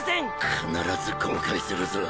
必ず後悔するぞ。